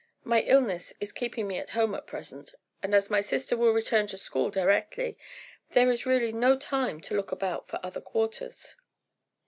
My illness is keeping me at home at present, and as my sister will return to school directly, there is really no time to look about for other quarters."